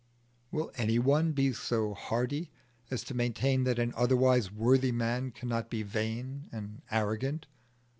Will any one be so hardy as to maintain that an otherwise worthy man cannot be vain and arrogant?